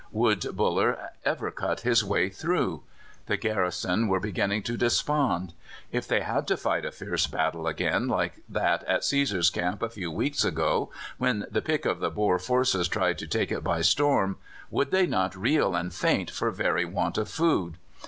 Would Buller ever cut his way through? The garrison were beginning to despond. If they had to fight a fierce battle again like that at Cæsar's Camp a few weeks ago, when the pick of the Boer forces tried to take it by storm, would they not reel and faint for very want of food?